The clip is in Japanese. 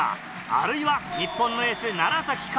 あるいは日本のエース楢か？